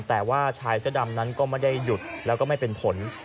แต่ว่าชายเสื้อดำนั้นก็ไม่ได้หยุดแล้วก็ไม่เป็นผล